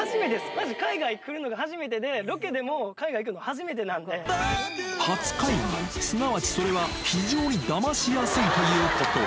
まじ海外来るのが初めてで、初海外、すなわちそれは、非常にダマしやすいということ。